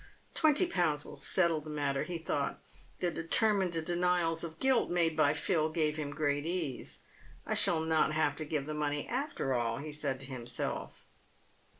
" Twenty pounds will settle the matter," he thought. The determined denials of guilt made by Phil gave him great ease. "I shall not have to give the money after all," he said to himself.